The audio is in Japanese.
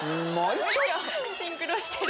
シンクロしてる！